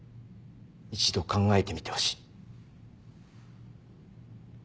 一度考えてみてほしい。